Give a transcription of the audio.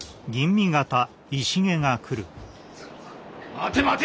・待て待て！